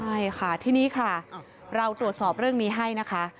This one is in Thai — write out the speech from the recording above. ใช่ค่ะทีนี้ค่ะเราตรวจสอบเรื่องนี้ให้นะคะ